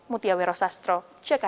mutiawero sastro jakarta